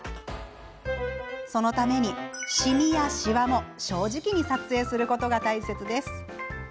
そのためにも、しみや、しわも正直に撮影することが大切です。